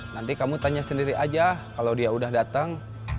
nanti kamu tanya sendiri aja kalau dia udah datang